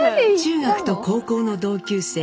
中学と高校の同級生